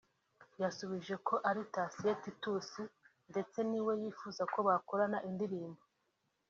yasubije ko ari Thacien Titus ndetse ni we yifuza ko bakorana indirimbo